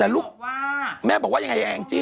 แต่ลูกว่าแม่บอกว่ายังไงแองจี้